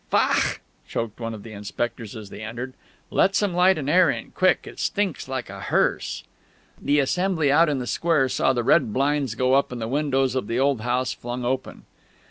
"Faugh!"... choked one of the inspectors as they entered. "Let some light and air in, quick. It stinks like a hearse " The assembly out in the square saw the red blinds go up and the windows of the old house flung open.